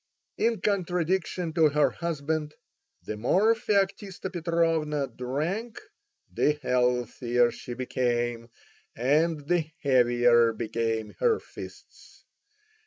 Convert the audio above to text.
In contradistinction to her husband, the more Feoktista Petrovna drank the healthier she became, and the heavier became her fists.